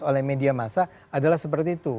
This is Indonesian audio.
oleh media masa adalah seperti itu